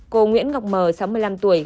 cô nguyễn ngọc m sáu mươi năm tuổi